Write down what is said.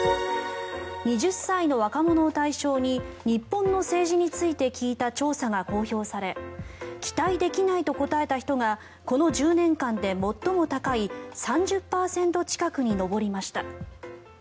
２０歳の若者を対象に日本の政治について聞いた調査が公表され期待できないと答えた人がこの１０年間で最も高い３０％近くに上りました。